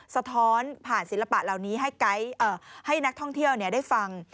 สะท้อนผ่านศิลปะเหล่านี้ให้นักท่องเที่ยวได้ฟัง